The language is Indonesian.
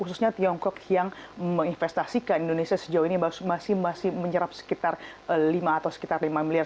khususnya tiongkok yang menginvestasikan indonesia sejauh ini masih menyerap sekitar lima atau sekitar lima miliar